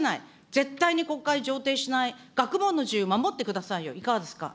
絶対に国会、上程しない、学問の自由守ってくださいよ、いかがですか。